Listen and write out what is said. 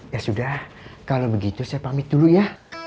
ya sudah kalau begitu saya pamit dulu ya